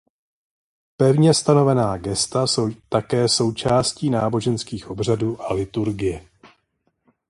Pevně stanovená gesta jsou také součástí náboženských obřadů a liturgie.